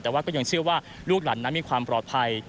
แต่ว่าก็ยังเชื่อว่าลูกหลานนั้นมีความปลอดภัย